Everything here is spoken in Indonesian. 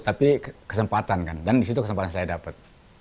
tapi kesempatan kan dan disitu kesempatan saya dapat